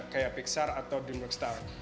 kayak pixar atau dreamworks star